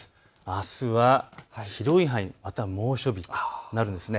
あすは広い範囲、また猛暑日となるんです。